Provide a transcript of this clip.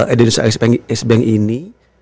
indonesia exim bank ini